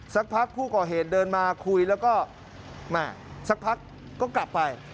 สักพักผู้ก่อเหตุเดินมาคุยแล้วก็แม่สักพักก็กลับไป